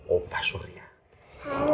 cuta keluar buat senyuman